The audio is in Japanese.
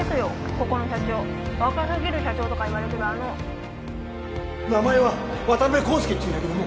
ここの社長若すぎる社長とか言われてるあの名前は渡辺康介っちゅうんやけども